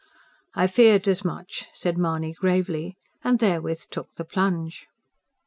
"I feared as much," said Mahony gravely; and therewith took the plunge.